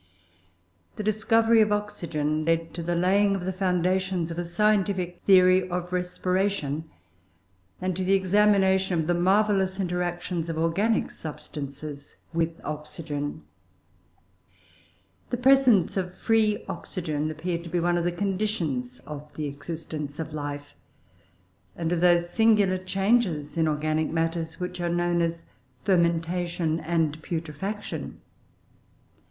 The discovery of oxygen led to the laying of the foundations of a scientific theory of respiration, and to an examination of the marvellous interactions of organic substances with oxygen. The presence of free oxygen appeared to be one of the conditions of the existence of life, and of those singular changes in organic matters which are known as fermentation and putrefaction.